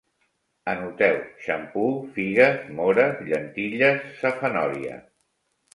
Anoteu: xampú, figues, móres, llentilles, safanòria